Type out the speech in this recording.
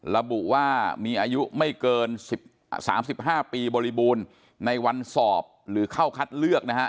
ระบุว่ามีอายุไม่เกิน๓๕ปีบริบูรณ์ในวันสอบหรือเข้าคัดเลือกนะฮะ